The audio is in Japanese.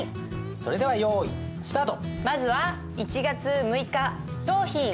それでは用意スタート。